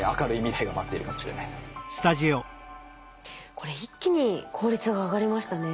これ一気に効率が上がりましたね。